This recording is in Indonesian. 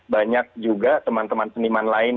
banyak juga teman teman seniman lain